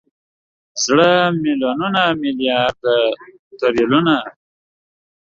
زره، ميليونه، ميليارده، تريليونه